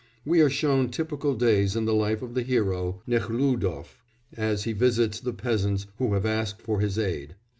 We are shown typical days in the life of the hero Nekhlúdof as he visits the peasants who have asked for his aid.